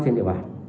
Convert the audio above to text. trên địa bàn